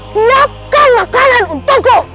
siapkan makanan untukku